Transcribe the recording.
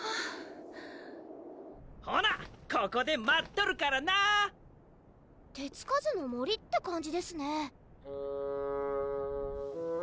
ほなここで待っとるからな手つかずの森って感じですね